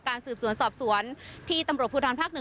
การสืบสวนสอบสวนที่ตำรวจพูทธรรมพัฒนศาสตร์๑